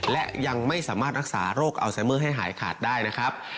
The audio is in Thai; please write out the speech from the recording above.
และยังไม่สามารถรักษาโรคอัลไซเมอร์ให้หายขาดได้นะครับ